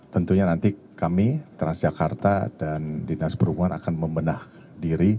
tentunya nanti kami transjakarta dan dinas perhubungan akan membenah diri